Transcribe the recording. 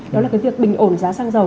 đó là cái việc bình ổn giá xăng dầu